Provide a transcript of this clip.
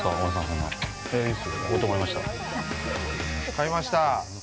買えました。